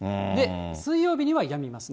水曜日にはやみますね。